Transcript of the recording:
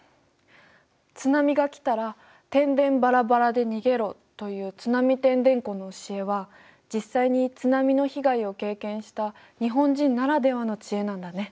「津波が来たらてんでんばらばらで逃げろ」という「津波てんでんこ」の教えは実際に津波の被害を経験した日本人ならではの知恵なんだね。